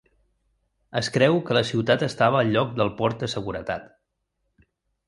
Es creu que la ciutat estava al lloc del port de seguretat.